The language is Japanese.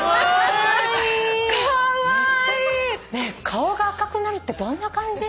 顔が赤くなるってどんな感じ？